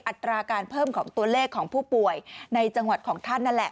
อัตราการเพิ่มของตัวเลขของผู้ป่วยในจังหวัดของท่านนั่นแหละ